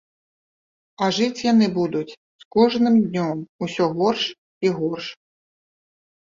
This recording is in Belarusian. А жыць яны будуць з кожным днём усё горш і горш.